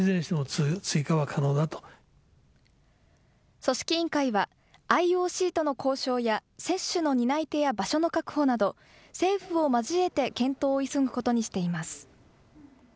組織委員会は、ＩＯＣとの交渉や、接種の担い手や場所の確保など、政府を交えて検討を急ぐことにしています。